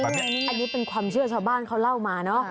อันนี้เป็นความเชื่อชาวบ้านเขาเล่ามาเนอะ